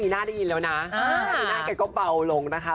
น่ากันก็เบาลงนะคะ